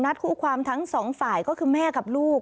คู่ความทั้งสองฝ่ายก็คือแม่กับลูก